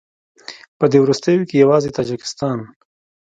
په دې وروستیو کې یوازې تاجکستان